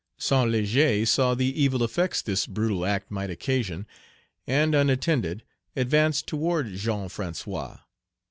St. Léger saw the evil effects this brutal act might occasion, and, unattended, advanced toward Jean François.